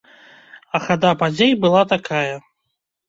А хада падзей была такая.